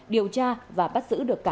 điều tra và bắt giữ được cả hai